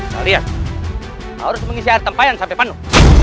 kalian harus mengisi artem payan sampai penuh